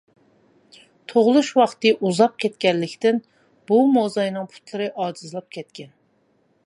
تۇغۇلۇش ۋاقتى ئۇزاپ كەتكەنلىكتىن بۇ موزاينىڭ پۇتلىرى ئاجىزلاپ كەتكەن.